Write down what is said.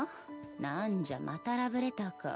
何じゃまたラブレターか。